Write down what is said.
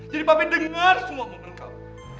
jadi papi denger semua ngomong kamu